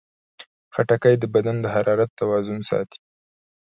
خټکی د بدن د حرارت توازن ساتي.